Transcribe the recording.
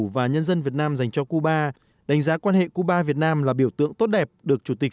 và nhân dân việt nam dành cho cuba đánh giá quan hệ cuba việt nam là biểu tượng tốt đẹp được chủ tịch